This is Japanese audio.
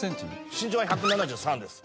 身長は１７３です。